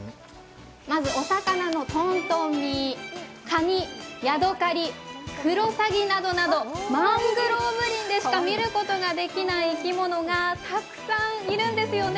まずお魚のトントンミー、カニ、ヤドカリ、マングローブ林でしか見ることができない生き物がたくさんいるんですね。